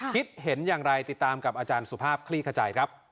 คิดเห็นอย่างไรติดตามกับอาจารย์สุภาพคลี่ขจายครับ